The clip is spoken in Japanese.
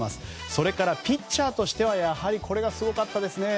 それから、ピッチャーとしてはやはりこれがすごかったですね。